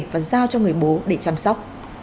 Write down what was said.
và giao cho người bố để chăm sóc